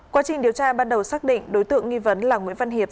quá trình điều tra ban đầu xác định đối tượng nghi vấn là nguyễn văn hiệp